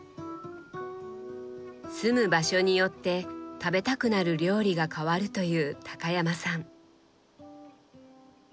住む場所によって食べたくなる料理が変わるという高山さん。